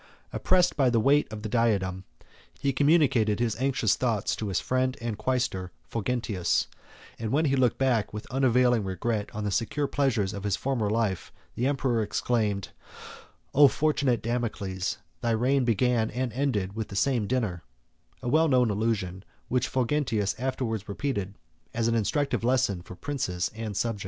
Oppressed by the weight of the diadem, he communicated his anxious thoughts to his friend and quaestor Fulgentius; and when he looked back with unavailing regret on the secure pleasures of his former life, the emperor exclaimed, "O fortunate Damocles, 3 thy reign began and ended with the same dinner;" a well known allusion, which Fulgentius afterwards repeated as an instructive lesson for princes and subjects.